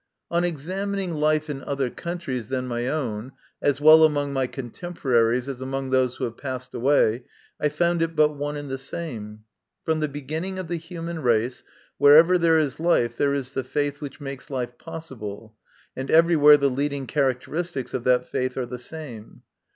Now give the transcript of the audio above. On examining life in other countries than my own, as well among my contemporaries as among those who have passed away, I found it but one and the same. From the beginning of the human race, wherever there is life there is the faith which makes life possible, and everywhere the leading characteristics of that faith are the same.